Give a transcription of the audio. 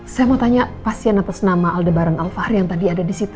saya mau tanya pasien atas nama aldebaran alfahri yang tadi ada di situ